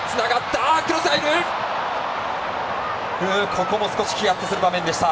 ここも少しひやっとする場面でした。